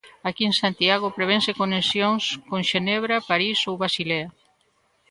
Aquí en Santiago prevense conexións con Xenebra, París ou Basilea.